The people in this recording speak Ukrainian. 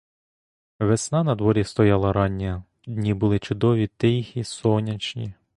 Весна надворі стояла рання; дні були чудові, тихі, сонячні.